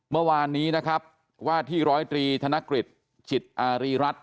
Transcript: เมื่อวานนี้นะครับว่าที่ร้อยตรีธนกฤษจิตอารีรัฐ